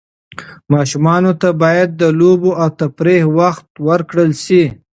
ماشومانو ته باید د لوبو او تفریح وخت ورکړل سي.